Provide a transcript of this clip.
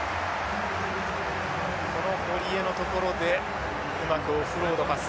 この堀江のところでうまくオフロードパス。